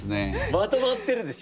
まとまってるでしょ。